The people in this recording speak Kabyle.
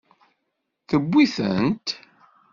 Tewwi-tent.